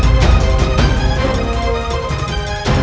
dan juga dengan